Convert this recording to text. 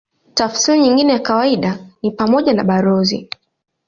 Tafsiri nyingine ya kawaida ni pamoja na balozi.